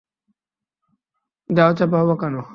দেহ চাপা ও বাঁকানো।